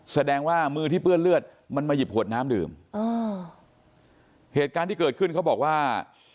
แสดงว่ามือที่เปื้อนเลือดมันมาหยิบขวดน้ำดื่มอ๋อเหตุการณ์ที่เกิดขึ้นเขาบอกว่า